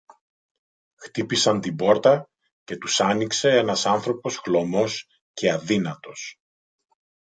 Χτύπησαν την πόρτα και τους άνοιξε ένας άνθρωπος χλωμός και αδύνατος